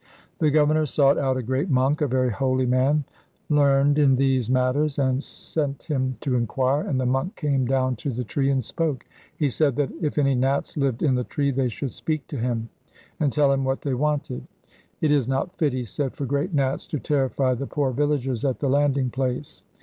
The governor sought out a great monk, a very holy man learned in these matters, and sent him to inquire, and the monk came down to the tree and spoke. He said that if any Nats lived in the tree, they should speak to him and tell him what they wanted. 'It is not fit,' he said, 'for great Nats to terrify the poor villagers at the landing place.